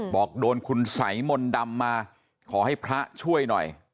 บอกโดนคุณสัยมนต์ดำมาขอให้พระช่วยหน่อย